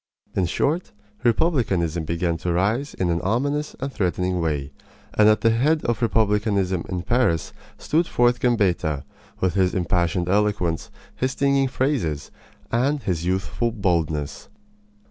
In short, republicanism began to rise in an ominous and threatening way; and at the head of republicanism in Paris stood forth Gambetta, with his impassioned eloquence, his stinging phrases, and his youthful boldness.